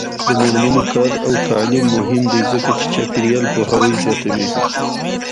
د میرمنو کار او تعلیم مهم دی ځکه چې چاپیریال پوهاوی زیاتوي.